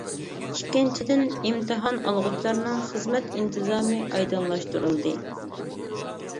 ئىككىنچىدىن، ئىمتىھان ئالغۇچىلارنىڭ خىزمەت ئىنتىزامى ئايدىڭلاشتۇرۇلدى.